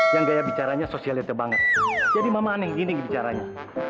yang gaya bicaranya sociate banget jadi mama aneh gini bicaranya